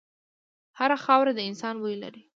هره خاوره د انسان بوی لري.